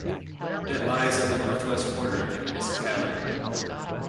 It lies on the northwest border of the municipality.